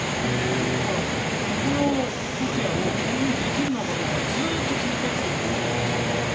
だから、ここのコキアもトンブリできるのかどうかずっと気になってるんだよね。